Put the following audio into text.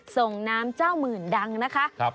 ส่งน้ำเจ้าหมื่นดังนะคะ